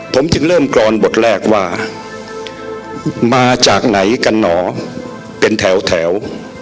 ผมจึงเริ่มกรอนบทแรกว่ามาจากไหนกันหนอเป็นแถวแถว